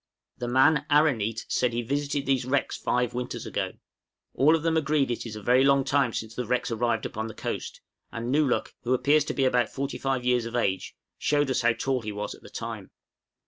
The man A ra neet said he visited these wrecks five winters ago. All of them agreed that it is a very long time since the wrecks arrived upon the coast; and Nōo luk, who appears to be about forty five years of age, showed us how tall he was at the time.